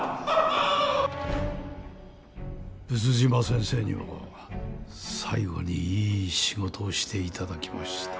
毒島先生には最後にいい仕事をして頂きました。